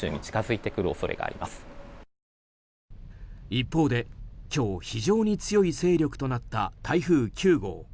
一方で今日、非常に強い勢力となった台風９号。